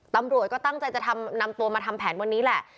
ตำรวจก็ตั้งใจจะนำตัวมาทำแผนวันนี้แหละ